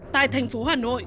tại thành phố hà nội